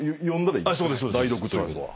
代読ということは。